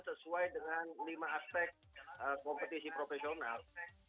sesuai dengan lima aspek kompetisi profesional